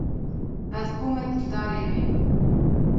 Ez bûme dildarê wê.